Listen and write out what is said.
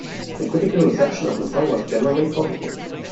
The critical reception of the song was generally positive.